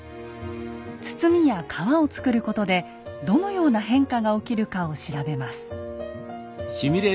堤や川を造ることでどのような変化が起きるかを調べます。